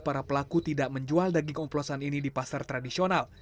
para pelaku tidak menjual daging oplosan ini di pasar tradisional